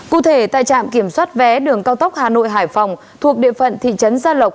cụ thể tại trạm kiểm soát vé đường cao tốc hà nội hải phòng thuộc địa phận thị trấn gia lộc